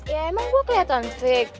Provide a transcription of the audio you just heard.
ya emang gue keliatan vick